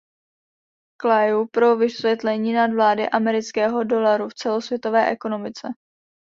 K. Liu pro vysvětlení nadvlády amerického dolaru v celosvětové ekonomice.